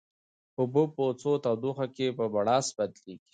اوبه په تودوخه کې په بړاس بدلیږي.